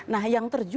nah yang terjadi